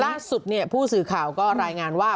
ล่าสุดผู้สื่อข่าวก็รายงานว่า